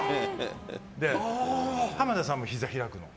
浜田さんもひざ開くの。